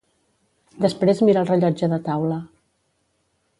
Després mira el rellotge de taula.